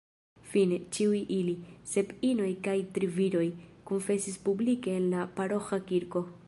Fine, ĉiuj ili, sep inoj kaj tri viroj, konfesis publike en la paroĥa kirko.